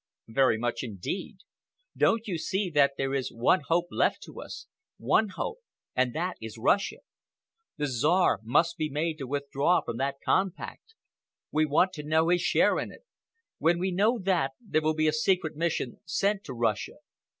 "Very much indeed. Don't you see that there is one hope left to us—one hope—and that is Russia? The Czar must be made to withdraw from that compact. We want to know his share in it. When we know that, there will be a secret mission sent to Russia.